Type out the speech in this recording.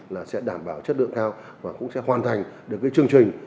là sẽ đảm bảo chất lượng cao và cũng sẽ hoàn thành được cái chương trình